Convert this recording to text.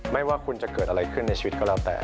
ไม่ว่าคุณจะเกิดอะไรขึ้นในชีวิตก็แล้วแต่